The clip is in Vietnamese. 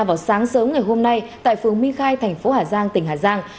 vào sáng sớm ngày hôm nay tại phường my khai thành phố hà giang tỉnh hà giang